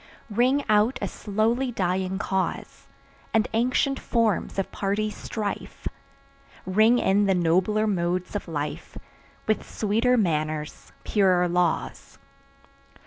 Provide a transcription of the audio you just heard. Ring out a slowly dying cause, And ancient forms of party strife; Ring in the nobler modes of life, With sweeter manners, purer laws.